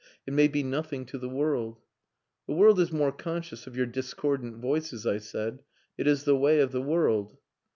It may be nothing to the world." "The world is more conscious of your discordant voices," I said. "It is the way of the world."